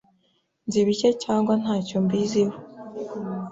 Nzi bike cyangwa ntacyo mbiziho.